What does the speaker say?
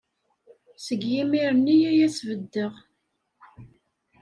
Seg yimir-nni ay as-beddeɣ.